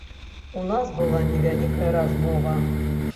У нас была невялікая размова.